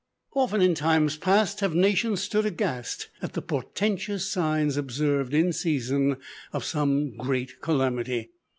Often in times past have nations stood aghast at the portentous signs observed in season of some great calamity.